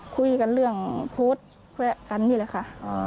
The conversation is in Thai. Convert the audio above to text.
คุยกันเรื่องโพสต์แวะกันนี่แหละค่ะ